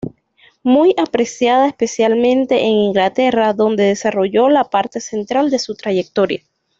Muy apreciada especialmente en Inglaterra donde desarrolló la parte central de su trayectoria.